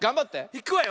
いくわよ。